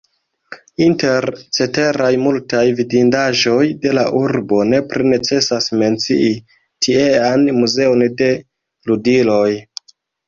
Inter ceteraj multaj vidindaĵoj de la urbo nepre necesas mencii tiean muzeon de ludiloj.